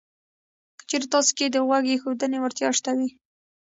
که چېرې تاسې کې د غوږ ایښودنې وړتیا شته وي